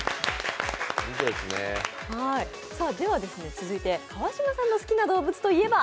続いて川島さんの好きな動物といえば？